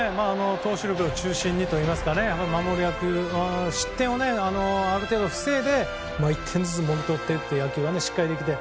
投手力を中心にといいますか守る野球失点をある程度防いで１点ずつもぎ取ってという野球がしっかりできて。